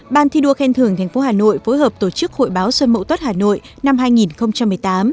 ban thi đua khen thưởng thành phố hà nội phối hợp tổ chức hội báo sơn mậu tốt hà nội năm hai nghìn một mươi tám